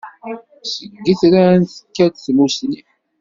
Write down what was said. Seg yitran tekka-d tmussni.